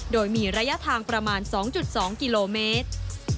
โดยมีระยะทางประมาณ๒๒กิโลเมตร